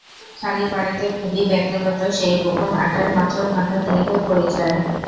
খালি বাড়িতে খুবই ব্যক্তিগত সেই গোপন আড্ডায় মাত্র ঘণ্টা তিনেকের পরিচয়।